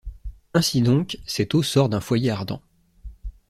Ainsi donc cette eau sort d’un foyer ardent.